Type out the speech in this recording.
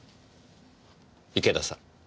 池田さん。